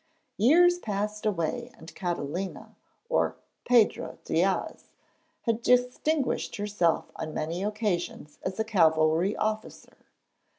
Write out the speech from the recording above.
Years passed away and Catalina or 'Pedro Diaz' had distinguished herself on many occasions as a cavalry officer.